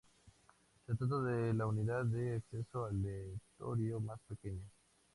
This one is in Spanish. Se trata de la unidad de acceso aleatorio más pequeña.